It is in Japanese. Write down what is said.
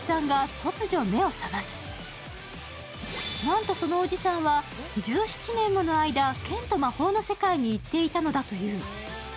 なんと、そのおじさんは１７年もの間、剣と魔法の世界に行っていたのだという。